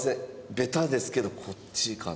ベタですけどこっちかな。